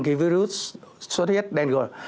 cái virus sốt huyết đen gồm